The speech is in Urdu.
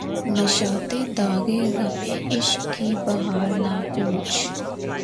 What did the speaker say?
نشاطِ داغِ غمِ عشق کی بہار نہ پُوچھ